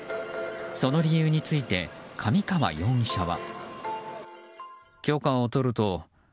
その理由について神川容疑者は。